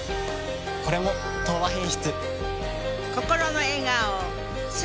これも「東和品質」。